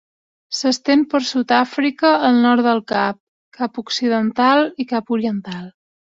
S'estén per Sud-àfrica al nord del Cap, Cap Occidental i Cap Oriental.